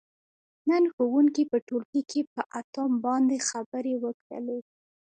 نن ښوونکي په ټولګي کې په اتوم باندې خبرې وکړلې.